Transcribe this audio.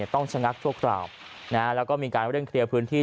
ต้องชะงักชั่วคราวแล้วก็มีการเร่งเคลียร์พื้นที่